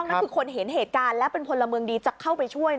นั่นคือคนเห็นเหตุการณ์และเป็นพลเมืองดีจะเข้าไปช่วย